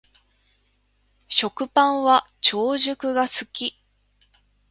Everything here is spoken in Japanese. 食パンは長熟が好き